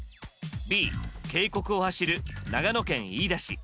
Ｂ渓谷を走る長野県・飯田市。